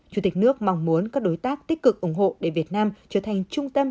chủ tịch nước mong muốn các đối tác tích cực ủng hộ để việt nam trở thành trung tâm